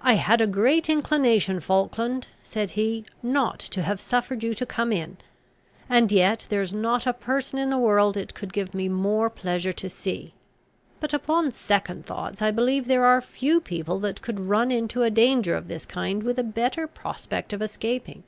"I had a great inclination, Falkland," said he, "not to have suffered you to come in; and yet there is not a person in the world it could give me more pleasure to see. But, upon second thoughts, I believe there are few people that could run into a danger of this kind with a better prospect of escaping.